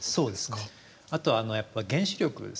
あとやっぱ原子力。